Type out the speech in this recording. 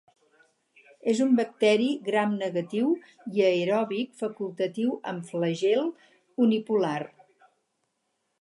És un bacteri gram negatiu i aeròbic facultatiu amb flagel unipolar.